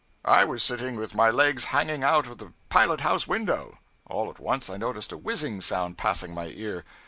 I was sitting with my legs hanging out of the pilot house window. All at once I noticed a whizzing sound passing my ear.